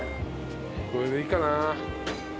これでいいかな。